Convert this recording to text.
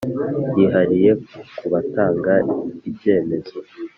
Yihariye ku batanga ibyemezo